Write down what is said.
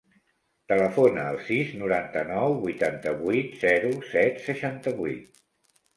Telefona al sis, noranta-nou, vuitanta-vuit, zero, set, seixanta-vuit.